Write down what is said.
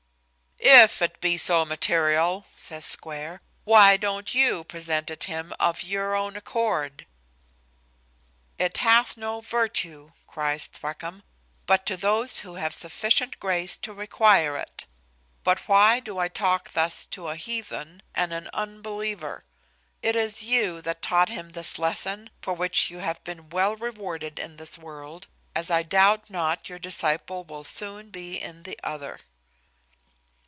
"If it be so material," says Square, "why don't you present it him of your own accord?" "It hath no virtue," cries Thwackum, "but to those who have sufficient grace to require it. But why do I talk thus to a heathen and an unbeliever? It is you that taught him this lesson, for which you have been well rewarded in this world, as I doubt not your disciple will soon be in the other."